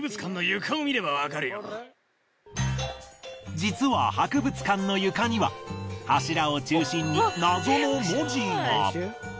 実は博物館の床には柱を中心に謎の文字が。